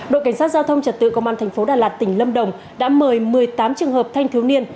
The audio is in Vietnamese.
đội cảnh sát giao thông trật tự công an thành phố đà lạt tỉnh lâm đồng đã mời một mươi tám trường hợp thanh thiếu niên